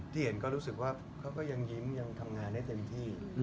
เห็นก็รู้สึกว่าเขาก็ยังยิ้มยังทำงานได้เต็มที่